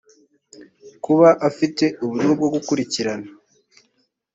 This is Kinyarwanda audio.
kuba afite uburyo bwo gukurikirana